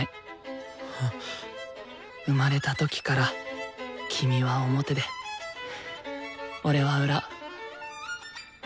生まれた時から君は「表」で俺は「裏」。